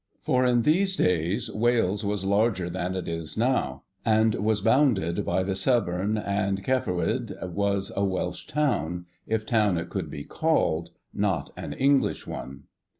For in these days Wales was larger than it is now, and was bounded by the Severn, and Cærffawydd was a Welsh town, if town it could be called, not an English one.